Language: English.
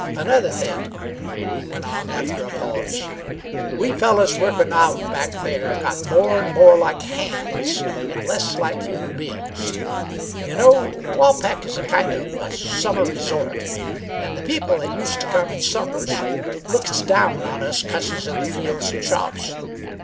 Another thing," he went on, after a pause "we fellers workin' out back there got more 'n' more like hands, an' less like human beings. Y' know, Waupac is a kind of a summer resort, and the people that use' t' come in summers looked down on us cusses in the fields an' shops.